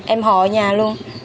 em họ ở nhà luôn